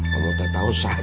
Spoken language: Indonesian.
pak ustadz tau saja